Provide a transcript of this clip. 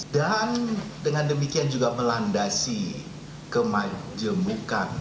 dan dengan demikian juga melandasi kemajemukan